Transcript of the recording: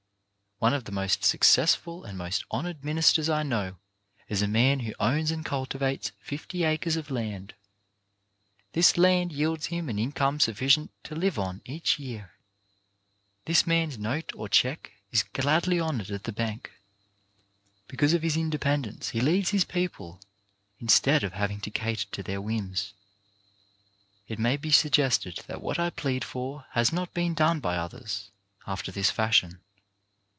One of the most successful and most honoured ministers I know is a man who owns and culti vates fifty acres of land. This land yields him an income sufficient to live on each year. This man's note or check is gladly honoured at the bank Because of his independence he leads his people' instead of having to cater to their whims. It may be suggested that what I plead for has not DOWN TO MOTHER EARTH 265 been done by others, after this fashion.